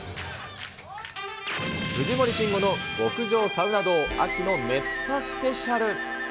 藤森慎吾の極上サウナ道、秋の熱波スペシャル。